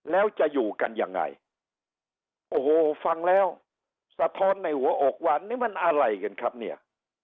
แล้วจะอยู่กันยังไงโอ้โหฟังแล้วสะท้อนในหัวอกว่านี่มันอะไรกันครับเนี่ย